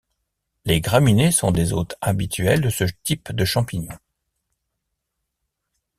Les graminées sont des hôtes habituels de ce type de champignons.